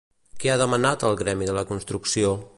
Què ha demanat el Gremi de la Construcció?